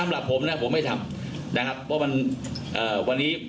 นะครับผมก็ต้องให้การว่าเขาให้การว่าเขาให้การขัดแย้งข้อเรียกจริงนะครับ